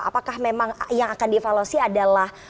apakah memang yang akan dievaluasi adalah